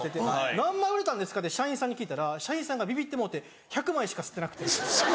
「何枚売れたんですか？」って社員さんに聞いたら社員さんがビビってもうて１００枚しかすってなくて。